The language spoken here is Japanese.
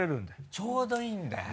ちょうどいいんだよね。